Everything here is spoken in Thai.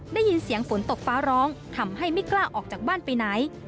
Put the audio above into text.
ได้ยินเสียงฝนตกฟ้าร้องทำให้ไม่กล้าออกจากบ้านไปไหน